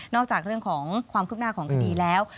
จากเรื่องของความคืบหน้าของคดีแล้ว